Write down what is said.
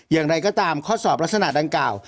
อย่างไรก็ตามข้อสอบลักษณะดังกล่าว